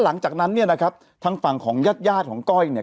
หลังจากนั้นเนี่ยนะครับทางฝั่งของญาติญาติของก้อยเนี่ย